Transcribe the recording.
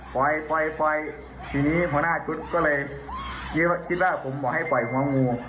ปล่อยปล่อยปล่อยทีนี้หัวหน้าจุ๊กก็เลยคิดว่าคิดว่าผมบอกให้ปล่อยหัวงู